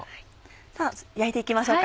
さぁ焼いて行きましょうか。